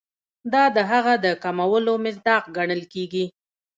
دا د هغه د کمولو مصداق ګڼل کیږي.